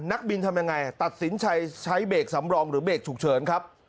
นักบินทำยังไงตัดสินใจใช้เบรกสำรองหรือเบรกฉุกเฉินครับ